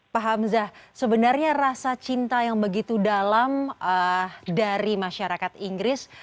pak hamzah sebenarnya rasa cinta yang begitu dalam dari masyarakat inggris